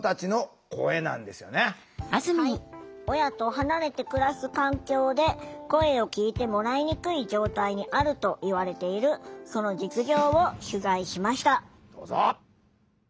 親と離れて暮らす環境で声を聴いてもらいにくい状態にあるといわれているその実情を取材しました。